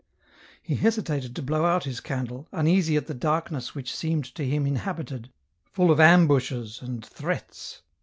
He hesitated to blow out his candle, uneasy at the dark ness which seemed to him inhabited, full of ambushes and threats.